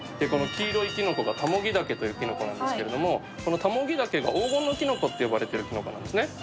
黄色いきのこがタモギダケというきのこなんですけど、このタモギダケが黄金のきのこと言われているきのこなんですね。